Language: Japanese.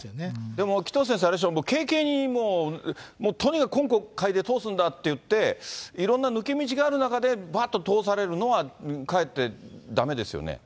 でも、紀藤先生、あれでしょ、軽々にもう、とにかく今国会で通すんだっていって、いろんな抜け道がある中でばっと通されるのはかえってだめですよ